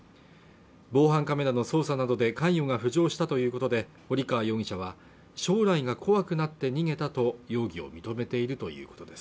防犯カメラの捜査などで関与が浮上したということで堀河容疑者は将来が怖くなって逃げたと容疑を認めているということです